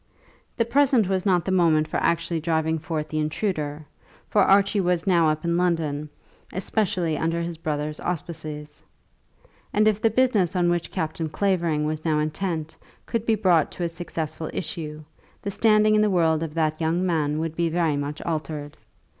The present was not the moment for actually driving forth the intruder, for Archie was now up in London, especially under his brother's auspices. And if the business on which Captain Clavering was now intent could be brought to a successful issue, the standing in the world of that young man would be very much altered.